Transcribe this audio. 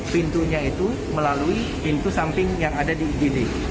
pintunya itu melalui pintu samping yang ada di igd